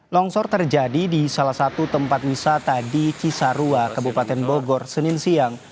longsor terjadi di salah satu tempat wisata di cisarua kebupaten bogor senin siang